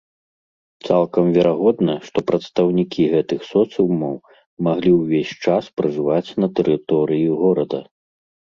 Цалкам верагодна, што прадстаўнікі гэтых соцыумаў маглі ўвесь час пражываць на тэрыторыі горада.